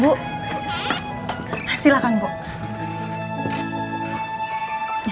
beh jadi udah langsung sembunyi